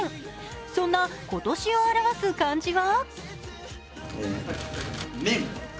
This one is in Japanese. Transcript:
そんな今年を表す漢字は？